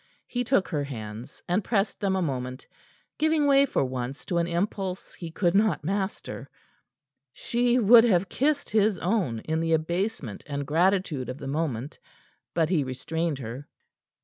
He took her hands, and pressed them a moment, giving way for once to an impulse he could not master. She would have kissed his own in the abasement and gratitude of the moment. But he restrained her.